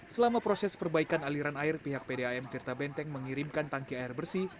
selama proses perbaikan aliran air pihak pdam tirta benteng mengirimkan tangki air bersih